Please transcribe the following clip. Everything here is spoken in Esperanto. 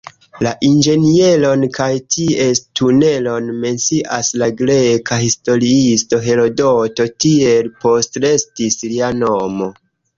La inĝenieron kaj ties tunelon mencias la greka historiisto Herodoto, tiel postrestis lia nomo.